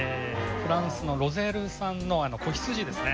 フランスのロゼール産の仔羊ですね